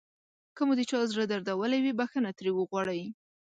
که مو د چا زړه دردولی وي بښنه ترې وغواړئ.